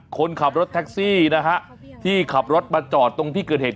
คนขับรถแท็กซี่นะฮะที่ขับรถมาจอดตรงที่เกิดเหตุ